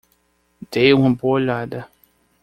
Dê uma boa olhada.